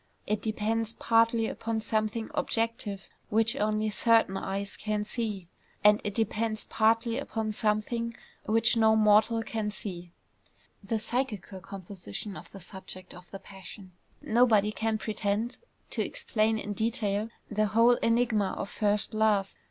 It depends partly upon something objective which only certain eyes can see; and it depends partly upon some thing which no mortal can see, the psychical composition of the subject of the passion. Nobody can pretend to explain in detail the whole enigma of first love.